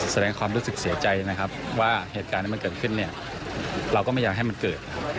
แสดงความรู้สึกเสียใจนะครับว่าเหตุการณ์ที่มันเกิดขึ้นเนี่ยเราก็ไม่อยากให้มันเกิด